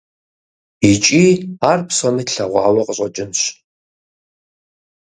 Икӏи ар псоми тлъэгъуауэ къыщӏэкӏынщ.